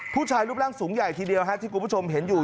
ผู้ชายรูปร่างสูงใหญ่ทีเดียวที่คุณผู้ชมเห็นอยู่